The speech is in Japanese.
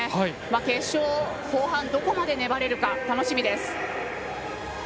決勝、後半どこまで粘れるか楽しみです。